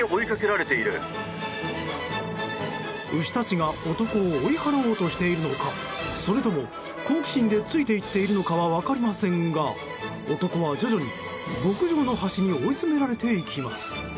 牛たちが男を追い払おうとしているのかそれとも、好奇心でついていっているのかは分かりませんが男は徐々に牧場の端に追い詰められていきます。